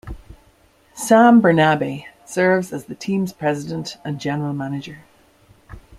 Sam Bernabe serves as the team's president and general manager.